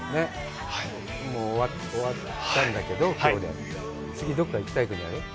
もう終わったんだけど、きょうで、次、どこか行きたい国ある？